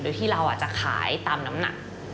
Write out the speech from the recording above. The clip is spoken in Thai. โดยที่เราจะขายตามน้ำหนัก